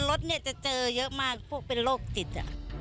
บ่อยครับบนรถเนี่ยจะเจอเยอะมากพวกเป็นโรคจิต